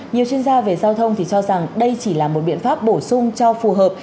nhiều chuyên gia về giao thông thì cho rằng đây chỉ là một biện pháp bổ sung cho phù hợp